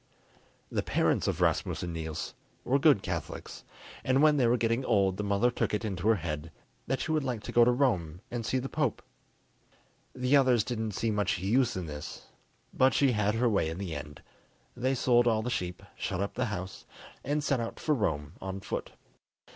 The parents of Rasmus and Niels were good Catholics, and when they were getting old the mother took it into her head that she would like to go to Rome and see the Pope. The others didn't see much use in this, but she had her way in the end: they sold all the sheep, shut up the house, and set out for Rome on foot.